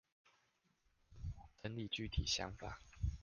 整理具體想法